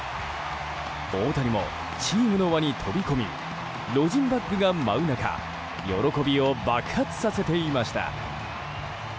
大谷もチームの輪に飛び込みロジンバッグが舞う中喜びを爆発させていました。